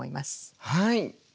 はい！